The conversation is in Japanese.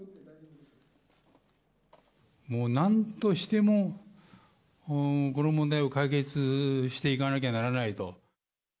もうなんとしても、この問題を解決していかなきゃならないと。